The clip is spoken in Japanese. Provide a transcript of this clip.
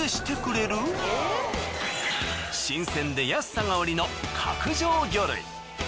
新鮮で安さがウリの角上魚類。